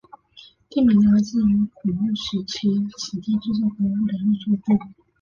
地名来自于古坟时代此地制作勾玉的玉作部。